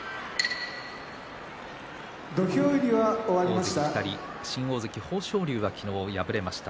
大関２人、新大関豊昇龍が昨日、敗れました。